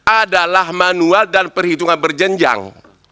adalah manual dan perhitungan berjenjang